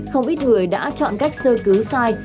không ít người đã chọn cách sơ cứu sai